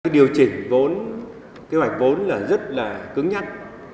điều chỉnh vốn kế hoạch vốn là rất là cứng nhắc